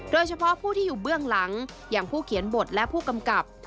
โดยเฉพาะผู้ที่อยู่เบื้องหลังอย่างผู้เขียนบทและผู้กำกับ